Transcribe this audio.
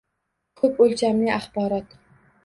Ko‘p o‘lchamli axborot